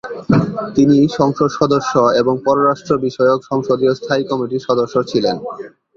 তিনি সংসদ সদস্য এবং পররাষ্ট্র বিষয়ক সংসদীয় স্থায়ী কমিটির সদস্য ছিলেন।